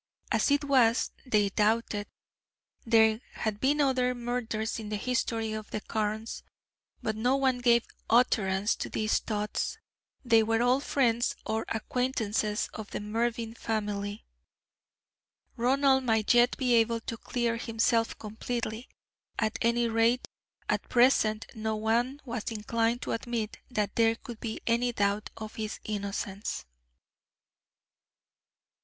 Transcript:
As it was, they doubted: there had been other murders in the history of the Carnes. But no one gave utterance to these thoughts, they were all friends or acquaintances of the Mervyn family. Ronald might yet be able to clear himself completely. At any rate, at present no one was inclined to admit that there could be any doubt of his innocence.